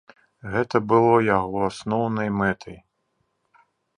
Гэта было яго асноўнай мэтай.